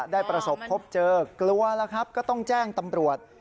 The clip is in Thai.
ได้ประสบพบเจอกลัวแล้วครับก็ต้องแจ้งตำรวจ